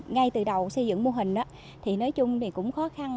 ngay từ đầu xây dựng mô hình thì nói chung thì cũng khó khăn